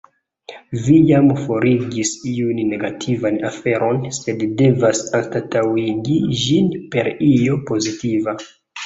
Vi jam forigis iun negativan aferon, sed devas anstataŭigi ĝin per io pozitiva.